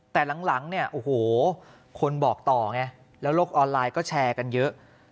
แต่หลังเนี่ยโอ้โหคนบอกต่อไงแล้วโลกออนไลน์ก็แชร์กันเยอะ